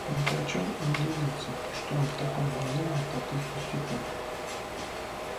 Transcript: Я прочел и удивился, что он в таком волнении от таких пустяков.